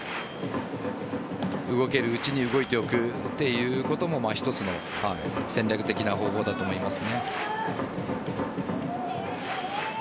動けるうちに動いておくということも一つの戦略的な方法だと思います。